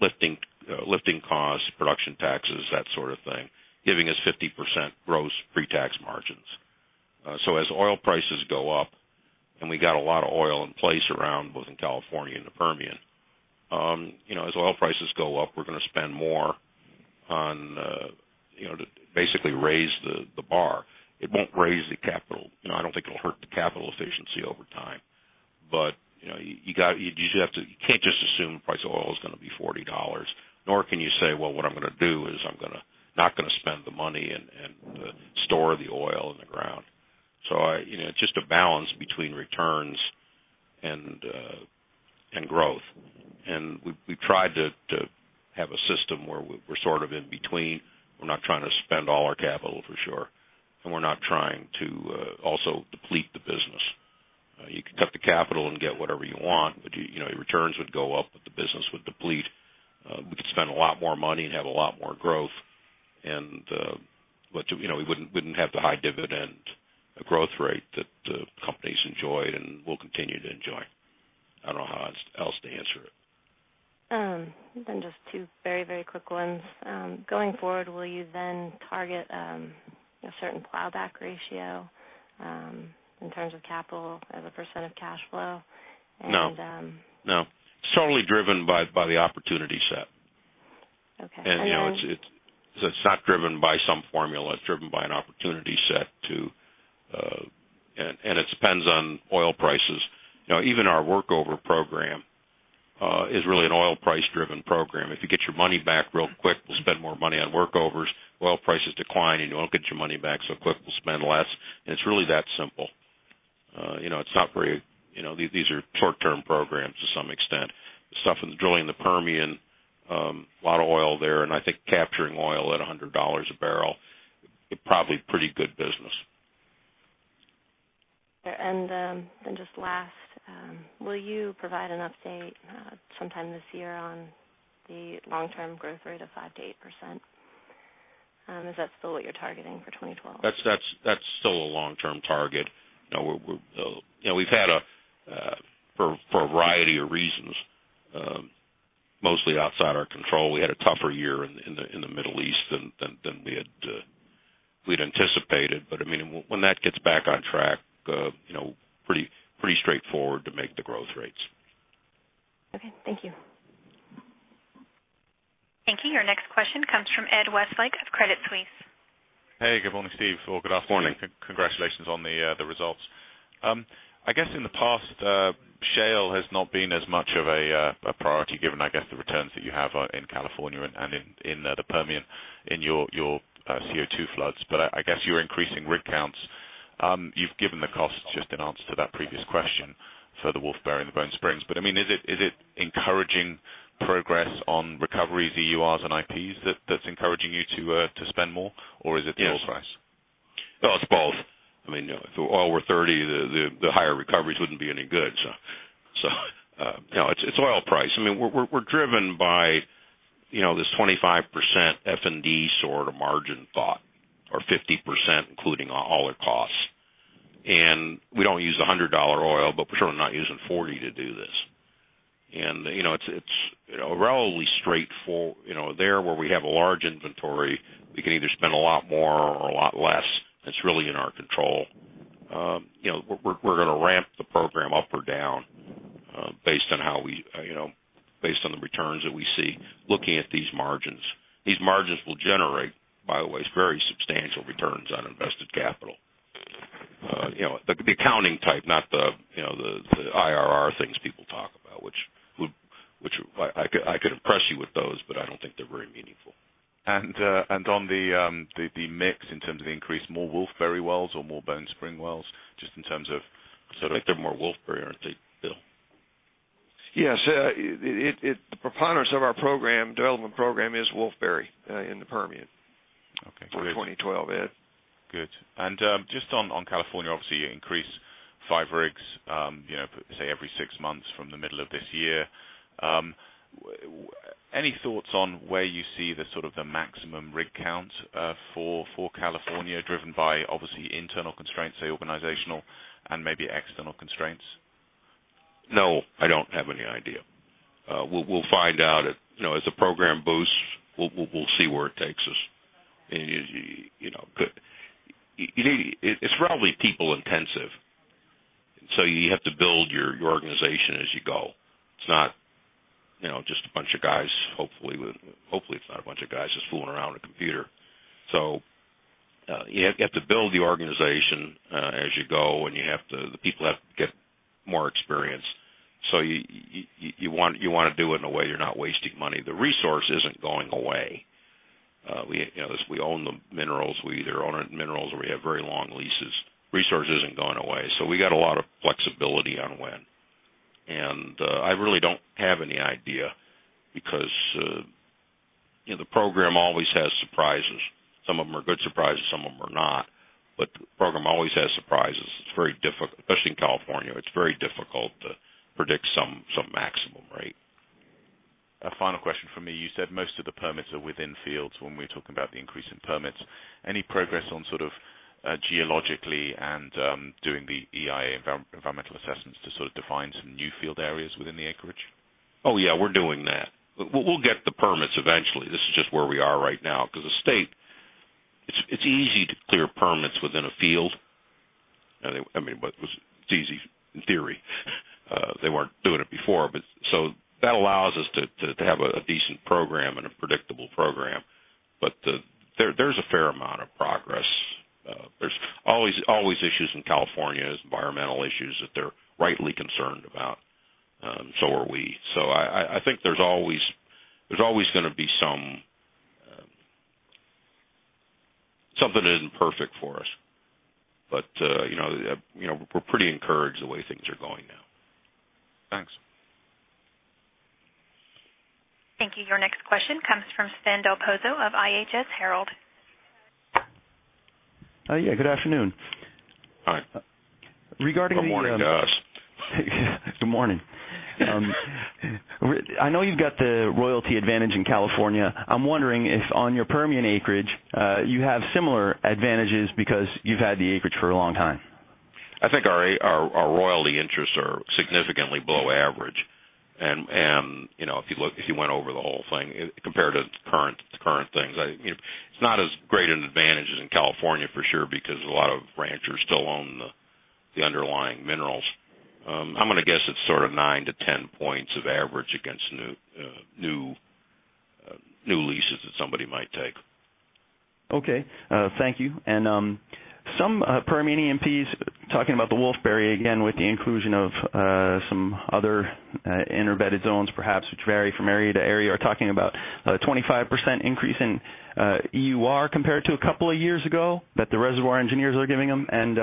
lifting costs, production taxes, that sort of thing, giving us 50% gross pre-tax margins. As oil prices go up, and we've got a lot of oil in place around both in California and the Permian, as oil prices go up, we're going to spend more to basically raise the bar. It won't raise the capital. I don't think it'll hurt the capital efficiency over time. You just have to, you can't just assume the price of oil is going to be $40, nor can you say, what I'm going to do is I'm not going to spend the money and store the oil in the ground. It's just a balance between returns and growth. We've tried to have a system where we're sort of in between. We're not trying to spend all our capital for sure, and we're not trying to also deplete the business. You could cut the capital and get whatever you want, your returns would go up, but the business would deplete. We could spend a lot more money and have a lot more growth, and we wouldn't have the high dividend growth rate that the company has enjoyed and will continue to enjoy. I don't know how else to answer it. Just two very, very quick ones. Going forward, will you then target a certain plowback ratio in terms of capital as a % of cash flow? No. No. It's totally driven by the opportunity set. Okay. It is not driven by some formula. It is driven by an opportunity set too, and it depends on oil prices. Even our workover program is really an oil price-driven program. If you get your money back real quick, we will spend more money on workovers. If oil prices decline and you will not get your money back so quick, we will spend less. It is really that simple. These are short-term programs to some extent. Stuff in the drilling in the Permian, a lot of oil there, and I think capturing oil at $100 a barrel is probably a pretty good business. Will you provide an update sometime this year on the long-term growth rate of 5% to 8%? Is that still what you're targeting for 2012? That's still a long-term target. You know, we've had, for a variety of reasons, mostly outside our control, we had a tougher year in the Middle East than we had anticipated. When that gets back on track, you know, pretty straightforward to make the growth rates. Okay, thank you. Thank you. Your next question comes from Ed Westlake of Credit Suisse. Hey, good morning, Steve. Good afternoon. Congratulations on the results. I guess in the past, shale has not been as much of a priority given the returns that you have in California and in the Permian in your CO2 floods. I guess you're increasing rig counts. You've given the costs just in answer to that previous question for the Wolfberry and the Bonesprings. Is it encouraging progress on recoveries, EURs, and IPs that's encouraging you to spend more, or is it the oil price? It's both. I mean, if the oil were $30, the higher recoveries wouldn't be any good. It's oil price. I mean, we're driven by this 25% F&D sort of margin thought or 50% including all our costs. We don't use $100 oil, but we're certainly not using $40 to do this. It's a relatively straightforward, you know, there where we have a large inventory, we can either spend a lot more or a lot less. It's really in our control. We're going to ramp the program up or down based on how we, you know, based on the returns that we see, looking at these margins. These margins will generate, by the way, very substantial returns on invested capital. The accounting type, not the IRR things people talk about, which I could impress you with those, but I don't think they're very meaningful. On the mix in terms of the increase, more Wolfberry wells or more Bone Spring wells, just in terms of sort of. I think they're more Wolfberry, aren't they, Bill? Yes. The preponderance of our program development program is Wolfberry in the Permian. Okay. For 2012, Ed. Good. Just on California, obviously, you increase five rigs, you know, say every six months from the middle of this year. Any thoughts on where you see the sort of the maximum rig count for California driven by obviously internal constraints, say organizational, and maybe external constraints? No, I don't have any idea. We'll find out as the program boosts, we'll see where it takes us. It's probably people-intensive, and you have to build your organization as you go. It's not just a bunch of guys. Hopefully, it's not a bunch of guys just fooling around on a computer. You have to build the organization as you go, and the people have to get more experience. You want to do it in a way you're not wasting money. The resource isn't going away. We own the minerals. We either own the minerals or we have very long leases. The resource isn't going away, so we got a lot of flexibility on when. I really don't have any idea because the program always has surprises. Some of them are good surprises, some of them are not. The program always has surprises. It's very difficult, especially in California. It's very difficult to predict some maximum rate. A final question from me. You said most of the permits are within fields when we're talking about the increase in permits. Any progress on sort of geologically and doing the EIA environmental assessments to sort of define some new field areas within the acreage? Oh, yeah, we're doing that. We'll get the permits eventually. This is just where we are right now because the state, it's easy to clear permits within a field. I mean, it's easy in theory. They weren't doing it before. That allows us to have a decent program and a predictable program. There's a fair amount of progress. There's always issues in California, environmental issues that they're rightly concerned about. So are we. I think there's always going to be something that isn't perfect for us. You know, we're pretty encouraged the way things are going now. Thanks. Thank you. Your next question comes from Sven Del Pozzo of IHS Herold. Yeah, good afternoon. Hi. Regarding the. Good morning, guys. Yeah, good morning. I know you've got the royalty advantage in California. I'm wondering if on your Permian Basin acreage you have similar advantages because you've had the acreage for a long time. I think our royalty interests are significantly below average. If you look, if you went over the whole thing compared to current things, it's not as great an advantage as in California for sure because a lot of ranchers still own the underlying minerals. I'm going to guess it's sort of 9 to 10% of average against new leases that somebody might take. Okay. Thank you. Some Permian E&Ps talking about the Wolfberry again, with the inclusion of some other interbedded zones perhaps, which vary from area to area, are talking about a 25% increase in EUR compared to a couple of years ago that the reservoir engineers are giving them, and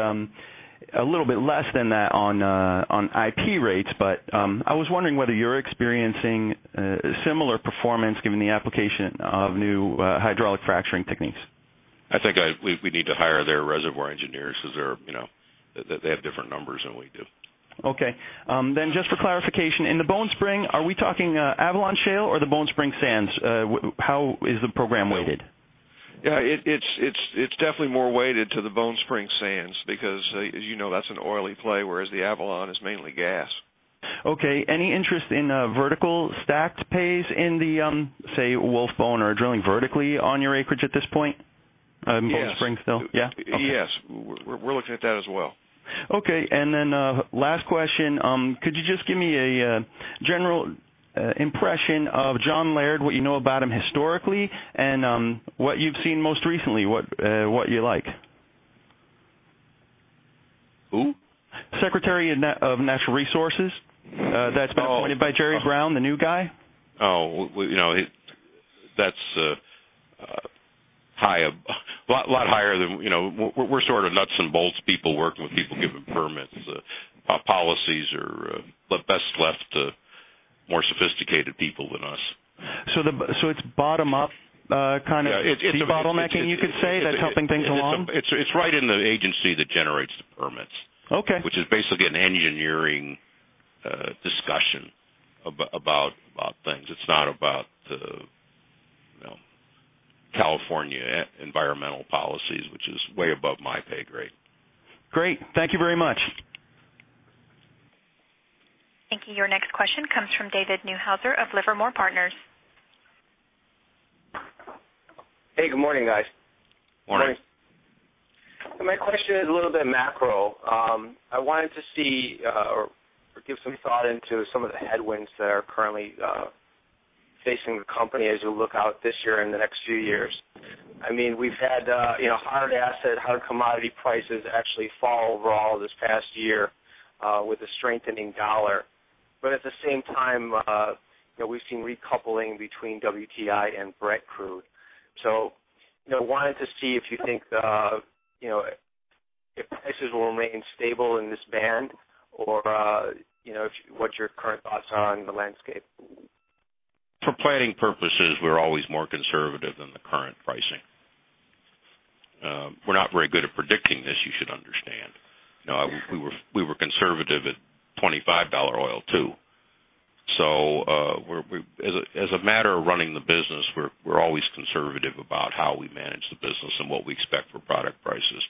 a little bit less than that on IP rates. I was wondering whether you're experiencing a similar performance given the application of new hydraulic fracturing techniques. I think we need to hire their reservoir engineers because they have different numbers than we do. Okay. Just for clarification, in the Bone Spring, are we talking Avalon Shale or the Bone Spring sands? How is the program weighted? Yeah, it's definitely more weighted to the Bone Spring sands because, as you know, that's an oily play, whereas the Avalon is mainly gas. Okay. Any interest in vertical stacked pays in the, say, Wolf, Bone or drilling vertically on your acreage at this point? Bone Spring still? Yes. Yeah? Yes, we're looking at that as well. Okay. Last question, could you just give me a general impression of John Laird, what you know about him historically, and what you've seen most recently, what you like? Who? Secretary of Natural Resources. That's been appointed by Jerry Brown, the new guy. Oh, that's a lot higher than, you know, we're sort of nuts and bolts people working with people. Giving permits, policies are best left to more sophisticated people than us. It's bottom-up kind of bottlenecking, you could say, that's helping things along? It's right in the agency that generates the permits. Okay. Which is basically an engineering discussion about a lot of things. It's not about California environmental policies, which is way above my pay grade. Great. Thank you very much. Thank you. Your next question comes from David Neuhauser of Livermore Partners. Hey, good morning, guys. Morning. My question is a little bit macro. I wanted to see or give some thought into some of the headwinds that are currently facing the company as we look out this year and the next few years. I mean, we've had hard asset, hard commodity prices actually fall overall this past year with a strengthening dollar. At the same time, we've seen recoupling between WTI and Brent Crude. I wanted to see if you think, you know, if prices will remain stable in this band or what your current thoughts are on the landscape. For planning purposes, we're always more conservative than the current pricing. We're not very good at predicting this, you should understand. You know, we were conservative at $25 oil too. As a matter of running the business, we're always conservative about how we manage the business and what we expect for product prices.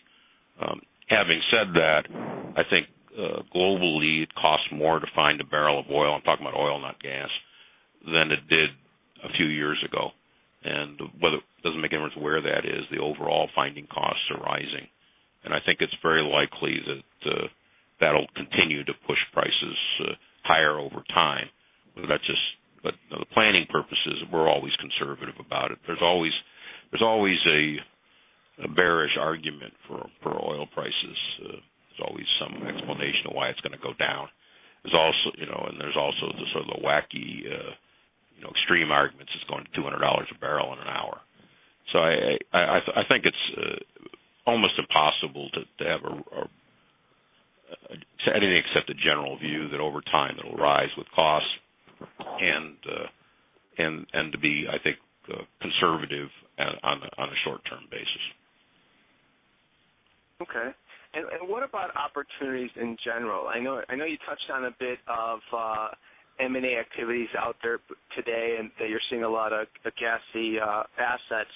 Having said that, I think globally, it costs more to find a barrel of oil. I'm talking about oil, not gas, than it did a few years ago. Whether or not anyone's aware, the overall finding costs are rising. I think it's very likely that that'll continue to push prices higher over time. That's just, for planning purposes, we're always conservative about it. There's always a bearish argument for oil prices. There's always some explanation of why it's going to go down. There's also the sort of wacky, extreme arguments that it's going to $200 a barrel in an hour. I think it's almost impossible to have anything except a general view that over time it'll rise with costs and to be, I think, conservative on a short-term basis. Okay. What about opportunities in general? I know you touched on a bit of M&A activities out there today and that you're seeing a lot of gassy assets.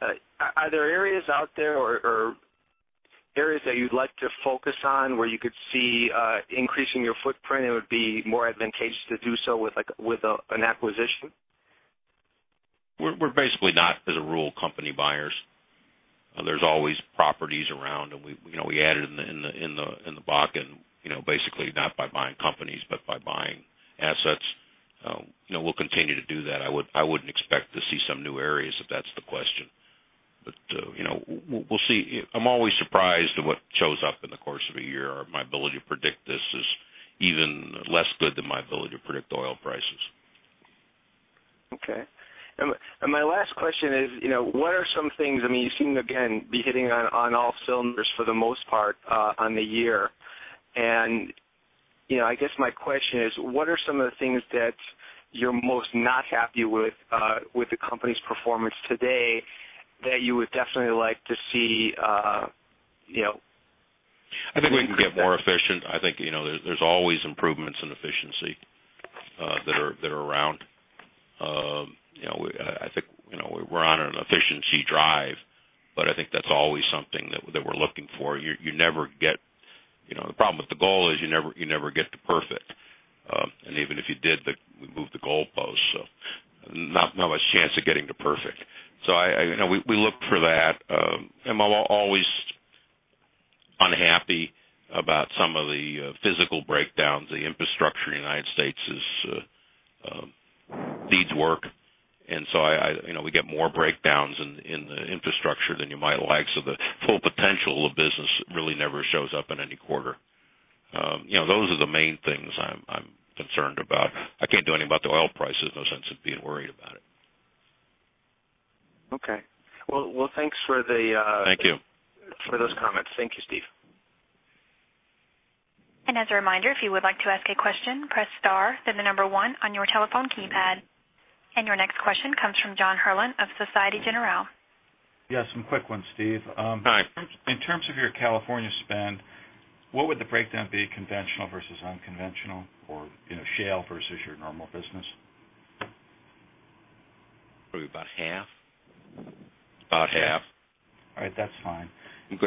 Are there areas out there or areas that you'd like to focus on where you could see increasing your footprint and it would be more advantageous to do so with an acquisition? We're basically not as a rule company buyers. There's always properties around and we added in the Bakken, you know, basically not by buying companies, but by buying assets. We'll continue to do that. I wouldn't expect to see some new areas if that's the question. You know, we'll see. I'm always surprised at what shows up in the course of a year. My ability to predict this is even less good than my ability to predict oil prices. Okay. My last question is, what are some things, I mean, you seem to again be hitting on all cylinders for the most part on the year. I guess my question is, what are some of the things that you're most not happy with with the company's performance today that you would definitely like to see? I think we can get more efficient. I think there's always improvements in efficiency that are around. I think we're on an efficiency drive, but I think that's always something that we're looking for. The problem with the goal is you never get to perfect, and even if you did, we moved the goal post, so not much chance of getting to perfect. I think we look for that. I'm always unhappy about some of the physical breakdowns. The infrastructure in the United States needs work. I think we get more breakdowns in the infrastructure than you might like. The full potential of business really never shows up in any quarter. Those are the main things I'm concerned about. I can't do anything about the oil prices in the sense of being worried about it. Okay. Thanks for the. Thank you. For those comments, thank you, Steve. As a reminder, if you would like to ask a question, press star, then the number one on your telephone keypad. Your next question comes from John Herrlin of Société Générale. Yeah, some quick ones, Steve. In terms of your California spend, what would the breakdown be, conventional versus unconventional, or you know, shale versus your normal business? Probably about half, about half. All right, that's fine.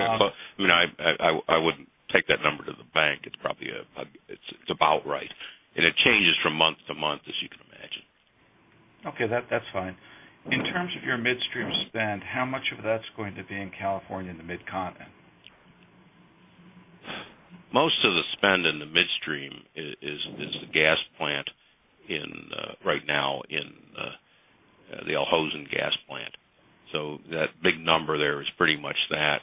I wouldn't take that number to the bank. It's probably about right, and it changes from month to month, as you can imagine. Okay. That's fine. In terms of your midstream spend, how much of that's going to be in California and the mid-continent? Most of the spend in the midstream is the gas plant right now in the Al Hosn Gas Project. That big number there is pretty much that.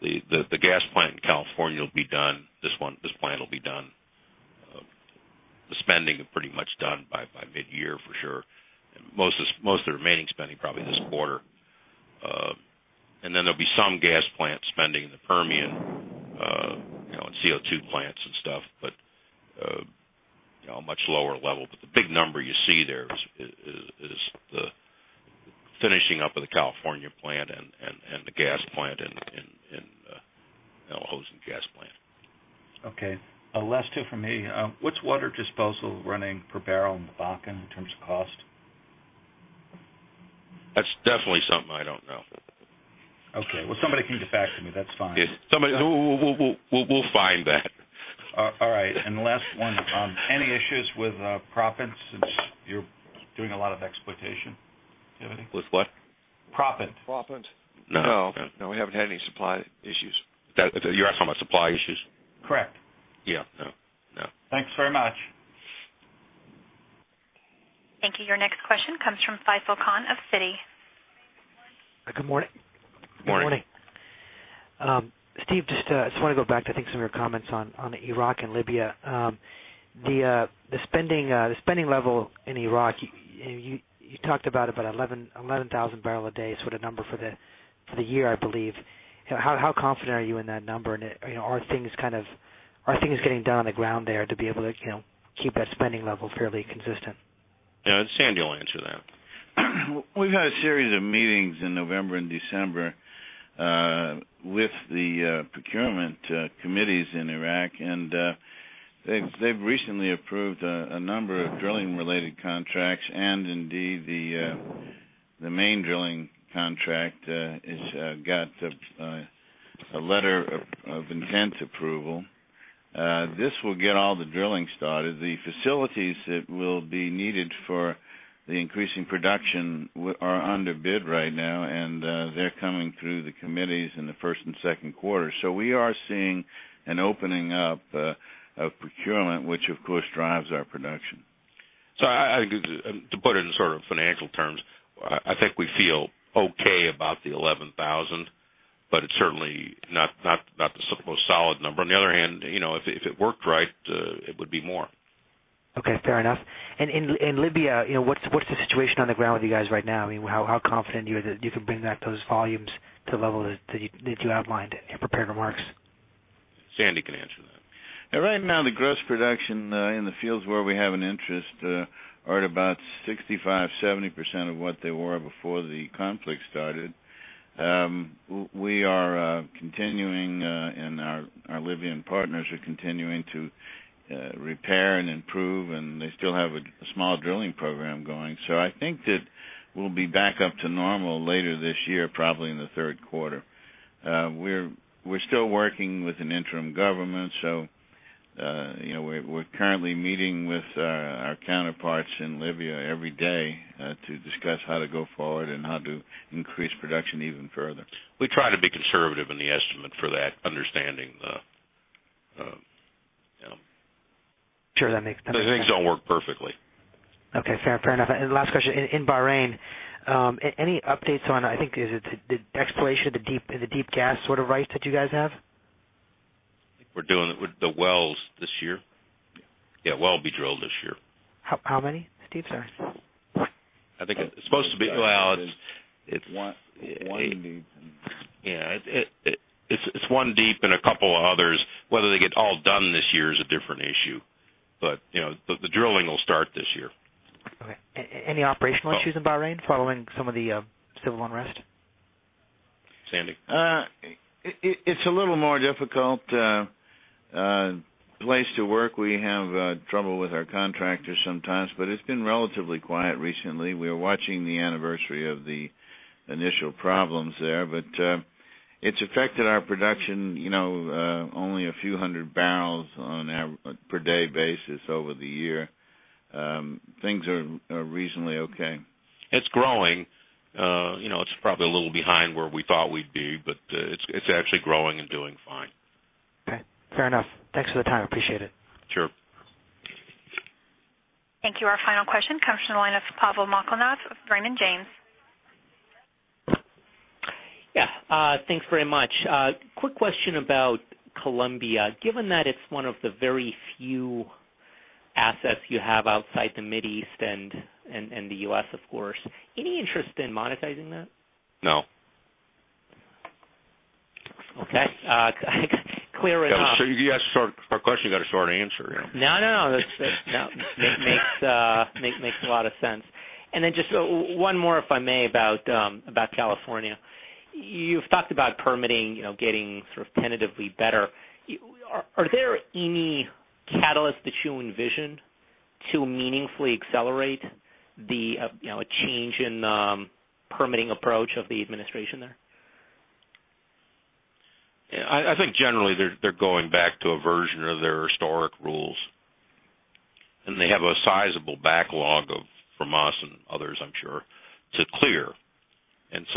The gas plant in California will be done. This plant will be done. The spending is pretty much done by mid-year for sure. Most of the remaining spending is probably this quarter. There'll be some gas plant spending in the Permian, you know, at CO2 plants and stuff, but you know, a much lower level. The big number you see there is the finishing up of the California plant and the gas plant and the Al Hosn Gas Project. Okay. Last two from me. What's water disposal running per barrel in the Bakken in terms of cost? That's definitely something I don't know. Okay. Somebody can get back to me. That's fine. Okay. We'll find that. All right. The last one, any issues with proppants since you're doing a lot of exploitation? Do you have any? With what? Proppant. Proppant? No. No, we haven't had any supply issues. You're asking about supply issues? Correct. Yeah. No, no. Thanks very much. Thank you. Your next question comes from Faisel Khan of Citi. Good morning. Good morning. Morning. Steve, I just want to go back to, I think, some of your comments on Iraq and Libya. The spending level in Iraq, you talked about 11,000 barrels a day. It's what, a number for the year, I believe. How confident are you in that number? Are things getting done on the ground there to be able to keep that spending level fairly consistent? Yeah, Sandy will answer that. We've had a series of meetings in November and December with the procurement committees in Iraq, and they've recently approved a number of drilling-related contracts. Indeed, the main drilling contract has got a letter of intent approval. This will get all the drilling started. The facilities that will be needed for the increasing production are under bid right now, and they're coming through the committees in the first and second quarter. We are seeing an opening up of procurement, which of course drives our production. To put it in sort of financial terms, I think we feel okay about the $11,000, but it's certainly not the most solid number. On the other hand, you know, if it worked right, it would be more. Okay. Fair enough. In Libya, what's the situation on the ground with you guys right now? I mean, how confident are you that you could bring that to those volumes to the level that you outlined in your prepared remarks? Sandy can answer that. Right now, the gross production in the fields where we have an interest are at about 65% to 70% of what they were before the conflict started. We are continuing, and our Libyan partners are continuing to repair and improve, and they still have a small drilling program going. I think that we'll be back up to normal later this year, probably in the third quarter. We're still working with an interim government, and we're currently meeting with our counterparts in Libya every day to discuss how to go forward and how to increase production even further. We try to be conservative in the estimate for that, understanding that. Sure, that makes sense. Things don't work perfectly. Okay. Fair enough. Last question, in Bahrain, any updates on, I think, is it the exploitation of the deep gas sort of rights that you guys have? I think we're doing it with the wells this year. The well will be drilled this year. How many, Steve? Sorry. I think it's supposed to be, it's one. One deep. Yeah, it's one deep and a couple of others. Whether they get all done this year is a different issue, but you know, the drilling will start this year. Okay. Any operational issues in Bahrain following some of the civil unrest? Sandy. It's a little more difficult place to work. We have trouble with our contractors sometimes, but it's been relatively quiet recently. We were watching the anniversary of the initial problems there, but it's affected our production only a few hundred barrels on a per-day basis over the year. Things are reasonably okay. It's growing. It's probably a little behind where we thought we'd be, but it's actually growing and doing fine. Okay. Fair enough. Thanks for the time. Appreciate it. Sure. Thank you. Our final question comes from the line of Pavel Molchanov of Raymond James. Yeah. Thanks very much. Quick question about Colombia. Given that it's one of the very few assets you have outside the Middle East and the U.S., of course, any interest in monetizing that? No. Okay. Clear as hell. You asked a short question, you got a short answer. No, no, no. That makes a lot of sense. Just one more, if I may, about California. You've talked about permitting, you know, getting sort of tentatively better. Are there any catalysts that you envision to meaningfully accelerate a change in the permitting approach of the administration there? I think generally, they're going back to a version of their historic rules. They have a sizable backlog from us and others, I'm sure, to clear.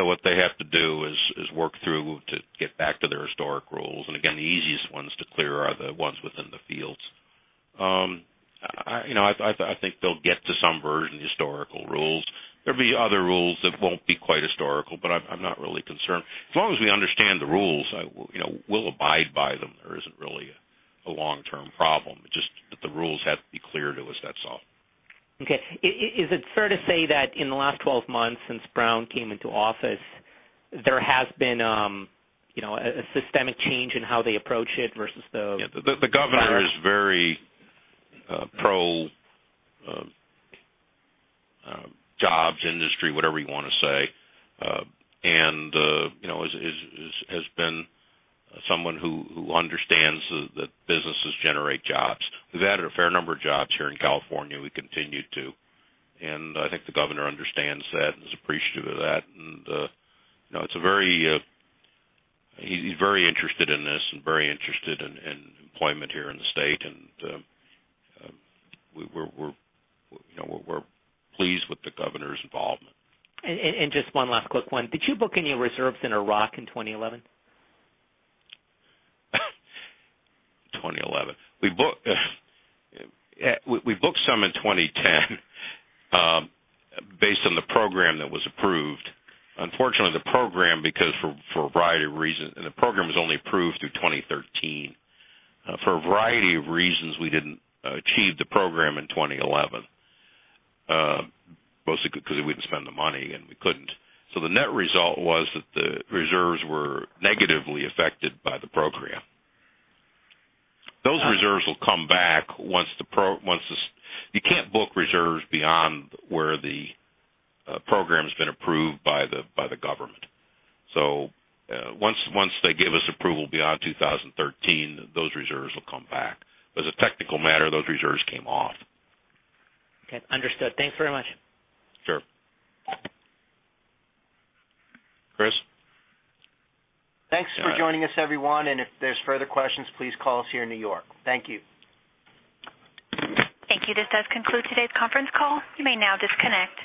What they have to do is work through to get back to their historic rules. The easiest ones to clear are the ones within the fields. I think they'll get to some version of the historical rules. There'll be other rules that won't be quite historical, but I'm not really concerned. As long as we understand the rules, we'll abide by them. There isn't really a long-term problem. It's just that the rules have to be cleared to us. That's all. Okay. Is it fair to say that in the last 12 months since Brown came into office, there has been a systemic change in how they approach it versus the? Yeah, the governor is very pro-jobs, industry, whatever you want to say. You know, has been someone who understands that businesses generate jobs. We've added a fair number of jobs here in California. We continue to, and I think the governor understands that and is appreciative of that. He's very interested in this and very interested in employment here in the state. We're pleased with the governor's involvement. Just one last quick one. Did you book any reserves in Iraq in 2011? 2011. We booked some in 2010 based on the program that was approved. Unfortunately, the program, for a variety of reasons, was only approved through 2013. For a variety of reasons, we didn't achieve the program in 2011, mostly because we didn't spend the money and we couldn't. The net result was that the reserves were negatively affected by the program. Those reserves will come back once the, you can't book reserves beyond where the program's been approved by the government. Once they give us approval beyond 2013, those reserves will come back. As a technical matter, those reserves came off. Okay. Understood. Thanks very much. Sure. Chris? Thanks for joining us, everyone. If there's further questions, please call us here in New York. Thank you. Thank you. This does conclude today's conference call. You may now disconnect.